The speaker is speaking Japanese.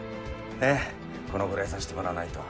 えっこのぐらいさせてもらわないと。